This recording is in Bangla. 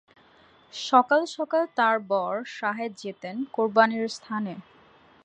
সকাল সকাল তার বর শাহেদ যেতেন কোরবানির স্থানে।